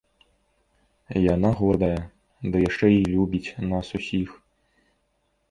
Яна гордая, ды яшчэ і любіць нас усіх.